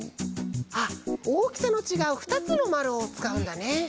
あっおおきさのちがうふたつのまるをつかうんだね。